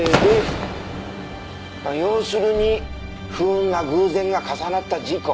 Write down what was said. まあ要するに不運な偶然が重なった事故。